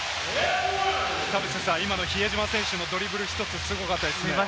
田臥さん、今の比江島選手のドリブル、ひとつすごかったですね。